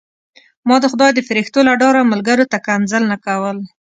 ما د خدای د فرښتو له ډاره ملګرو ته کنځل نه کول.